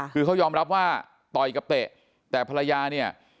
คือเขายอมรับว่าต่อยกับเตะแต่ภรรยาเนี่ย